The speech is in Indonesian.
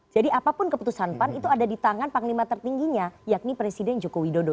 jadi apapun keputusan pan itu ada di tangan panglima tertingginya yakni presiden joko widodo